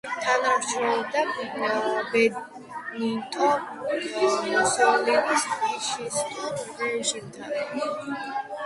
თანამშრომლობდა ბენიტო მუსოლინის ფაშისტურ რეჟიმთან.